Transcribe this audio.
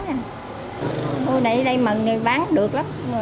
này đây mần thì bán được lắm